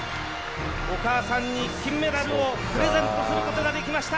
お母さんに金メダルをプレゼントすることができました。